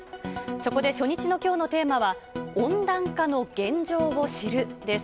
そこで初日のきょうのテーマは、温暖化の現状を知るです。